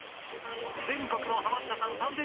全国のハマったさん